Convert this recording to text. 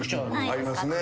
ありますね。